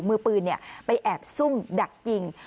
มือปืนไปแอบซุ่มดักยิง